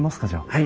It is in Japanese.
はい。